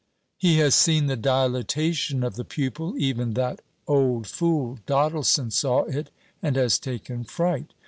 He has seen the dilatation of the pupil even that old fool Doddleson saw it and has taken fright.